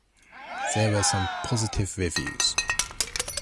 There were some positive reviews.